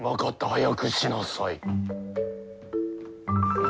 早くしなさい。